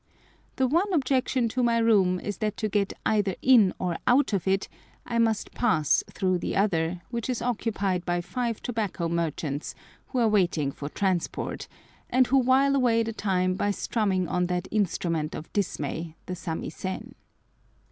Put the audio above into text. The one objection to my room is that to get either in or out of it I must pass through the other, which is occupied by five tobacco merchants who are waiting for transport, and who while away the time by strumming on that instrument of dismay, the samisen.